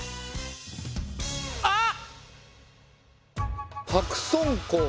あっ！